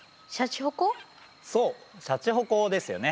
そうシャチホコですよね。